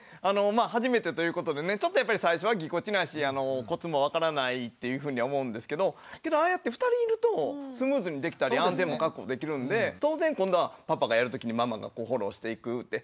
まあ初めてということでねちょっとやっぱり最初はぎこちないしコツも分からないというふうに思うんですけどけどああやって２人いるとスムーズにできたり安全も確保できるんで当然今度はパパがやる時にママがフォローしていくって。